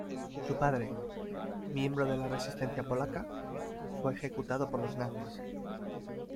Su padre, miembro de la resistencia polaca, fue ejecutado por los nazis.